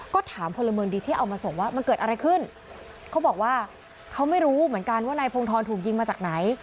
ก็ถามพลเมืองดีที่เอามาส่งว่ามันเกิดอะไรขึ้นเขาบอกว่าเขาไม่รู้เหมือนกันว่านายพงธรถูกยิงมาจากไหน